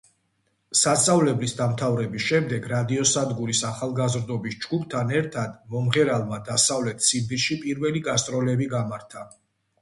სასწავლებლის დამთავრების შემდეგ რადიოსადგურის „ახალგაზრდობის“ ჯგუფთან ერთად, მომღერალმა დასავლეთ ციმბირში პირველი გასტროლები გამართა.